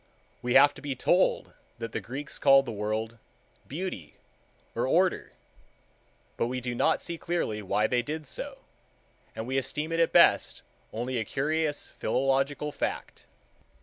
We have to be told that the Greeks called the world Κόσμος Beauty, or Order, but we do not see clearly why they did so, and we esteem it at best only a curious philological fact.